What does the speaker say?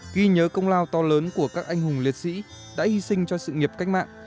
ghi nhớ công lao to lớn của các anh hùng liệt sĩ đã hy sinh cho sự nghiệp cách mạng